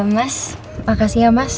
mas makasih ya mas